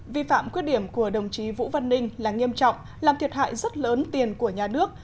vi phạm khuyết điểm của đồng chí vũ văn ninh là nghiêm trọng làm thiệt hại rất lớn tiền của nhà nước